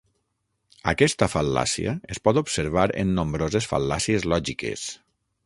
Aquesta fal·làcia es pot observar en nombroses fal·làcies lògiques.